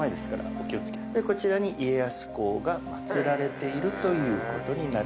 こちらに家康公が祭られているということになるわけです。